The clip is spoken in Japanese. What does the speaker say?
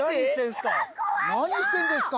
何してんすか？